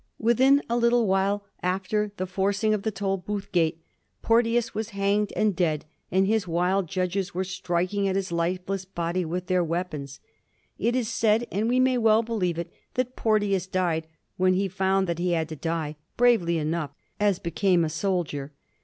Within a little while after the forcing of the Tol booth gate, Porteous was hanged and dead, and his wild judges were striking at his lifeless body with their weap ons. It is said, and we may well believe it, that Porteous died, when he found that he had to die, bravely enough, as became a soldier.